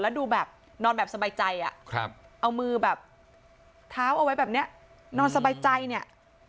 แล้วดูแบบนอนแบบสบายใจอ่ะครับเอามือแบบเท้าเอาไว้แบบเนี้ยนอนสบายใจเนี่ย